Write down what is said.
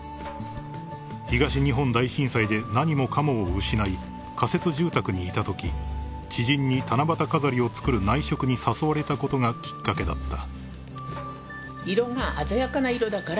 ［東日本大震災で何もかもを失い仮設住宅にいたとき知人に七夕飾りを作る内職に誘われたことがきっかけだった］